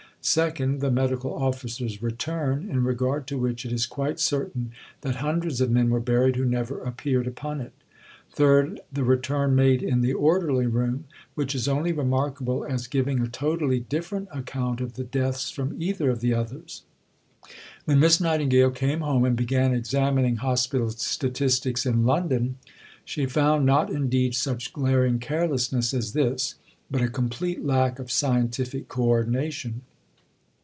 Second, the Medical Officers' Return, in regard to which it is quite certain that hundreds of men were buried who never appeared upon it. Third, the return made in the Orderly Room, which is only remarkable as giving a totally different account of the deaths from either of the others." When Miss Nightingale came home, and began examining Hospital Statistics in London, she found, not indeed such glaring carelessness as this, but a complete lack of scientific co ordination.